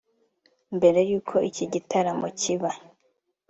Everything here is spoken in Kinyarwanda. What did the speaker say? Mbere y’uko iki gitaramo kiba